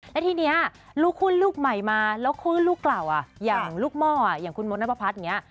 และทีนี้ลูกคู่นลูกใหม่มาแล้วคู่นลูกเหล่าอย่างลูกหม้ออย่างคุณมนต์นับประพัทย์